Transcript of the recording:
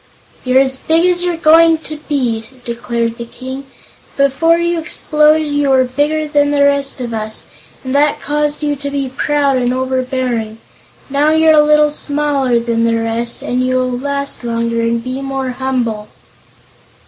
"You're as big as you're going to be," declared the King. "Before you exploded you were bigger than the rest of us, and that caused you to be proud and overbearing. Now you're a little smaller than the rest, and you will last longer and be more humble."